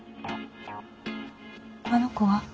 あの子は？